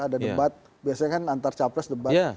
ada debat biasanya kan antar capres debat